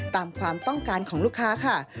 ตามความต้องการของลูกค้าค่ะ